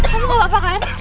kamu tidak apa apa kan